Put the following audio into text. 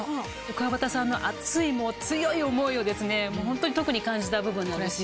くわばたさんの熱い強い思いを特に感じた部分なんですね。